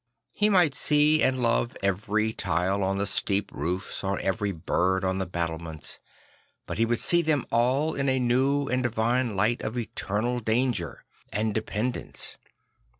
He might see and love every tile on the steep roofs or every bird on the battlements; but he would see them all in a new and divine light of eternal danger and dependence.